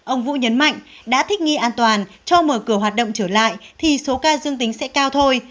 ông vũ nhấn mạnh đã thích nghi an toàn cho mở cửa hoạt động trở lại thì số ca dương tính sẽ cao thôi